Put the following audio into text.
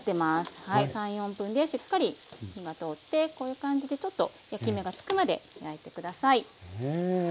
３４分でしっかり火が通ってこういう感じでちょっと焼き目がつくまで焼いて下さい。